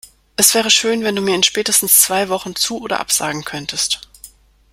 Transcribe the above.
Es wäre schön, wenn du mir in spätestens zwei Wochen zu- oder absagen könntest.